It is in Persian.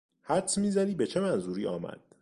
حدس میزنی به چه منظوری آمد؟